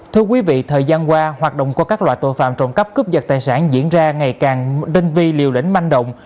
thưa quý vị thời gian qua hoạt động của các loại tội phạm trộm cắp cướp vật tài sản diễn ra ngày càng đơn vi liều đỉnh manh động